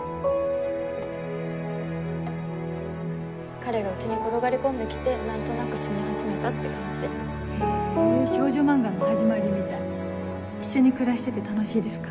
彼が家に転がり込んで来て何となく住み始めたって感じでへぇ少女漫画の始まりみたい一緒に暮らしてて楽しいですか？